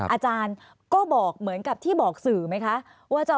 อาจารย์ก็บอกเหมือนกับที่บอกสื่อไหมคะว่า